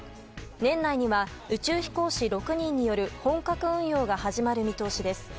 年内には宇宙飛行士６人による本格運用が始まる見通しです。